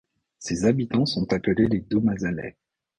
Ses habitants sont appelés les Daumazanais.